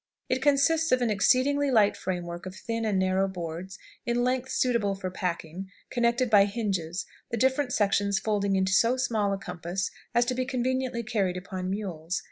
It consists of an exceedingly light framework of thin and narrow boards, in lengths suitable for packing, connected by hinges, the different sections folding into so small a compass as to be conveniently carried upon mules.